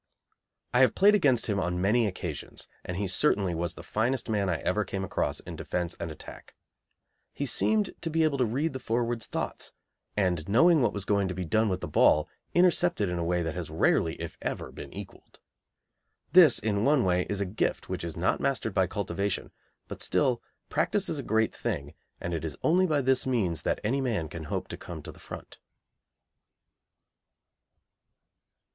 I have played against him on many occasions, and he certainly was the finest man I ever came across in defence and attack. He seemed to be able to read the forwards' thoughts, and knowing what was going to be done with the ball, intercepted in a way that has rarely, if ever, been equalled. This, in one way, is a gift which is not mastered by cultivation, but still practice is a great thing, and it is only by this means that any man can hope to come to the front.